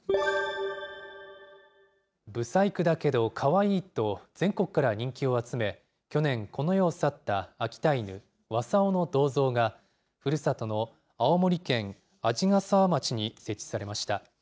ぶさいくだけどかわいいと、全国から人気を集め、去年、この世を去った秋田犬、わさおの銅像が、ふるさとの青森県鰺ヶ沢町に設置されました。